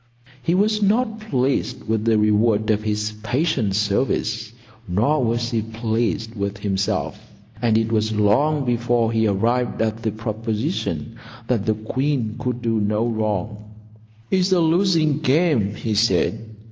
He was not pleased with the reward of his patient service; nor was he pleased with himself; and it was long before he arrived at the proposition that the queen could do no wrong. "It's a losing game," he said.